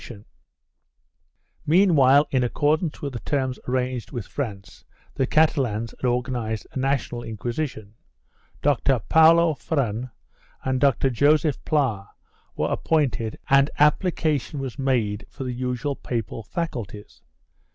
IV] CATALONIA 479 Meanwhile, in accordance with the terms arranged with France, the Catalans had organized a national Inquisition. Doctor Paulo Ferran and Doctor Joseph Pla were appointed and application was made for the usual papal faculties.